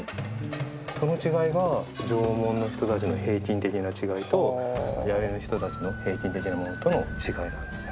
その違いが縄文の人たちの平均的な違いと弥生の人たちの平均的なものとの違いなんですね。